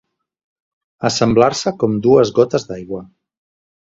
Assemblar-se com dues gotes d'aigua.